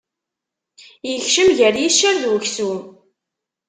Ikcem gar iccer d uksum.